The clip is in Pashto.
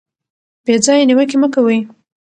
بې ځایه نیوکې مه کوئ.